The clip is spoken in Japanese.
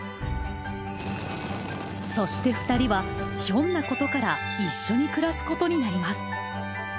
そしてふたりはひょんなことから一緒に暮らすことになります！